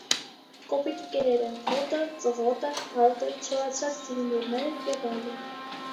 Կոպիտ կերեր են՝ խոտը, ծղոտը, հարդը, չորացրած ջրիմուռները և այլն։